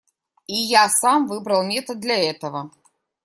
И я сам выбрал метод для этого.